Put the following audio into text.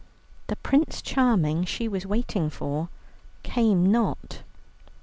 The Prince Charming she was waiting for came not.